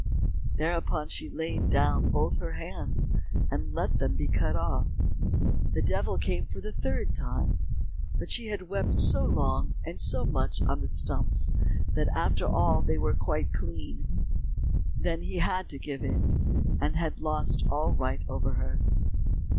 Thereupon she laid down both her hands, and let them be cut off. The devil came for the third time, but she had wept so long and so much on the stumps, that after all they were quite clean. Then he had to give in, and had lost all right over her.